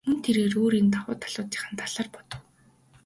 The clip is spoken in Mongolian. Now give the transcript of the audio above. Мөн тэрээр өөрийн давуу талуудынхаа талаар бодов.